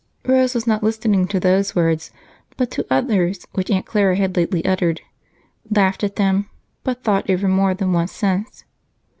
Rose was not listening to those words but to others which Aunt Clara had lately uttered, laughed at then, but thought over more than once since.